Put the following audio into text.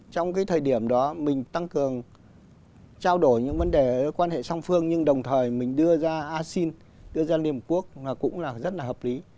trong cái thời điểm đó mình tăng cường trao đổi những vấn đề quan hệ song phương nhưng đồng thời mình đưa ra asean đưa ra liên hợp quốc là cũng là rất là hợp lý